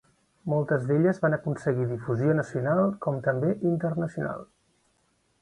Moltes d'elles van aconseguir difusió nacional com també internacional.